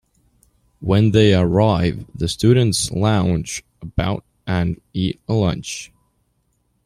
When they arrive, the students lounge about and eat a lunch.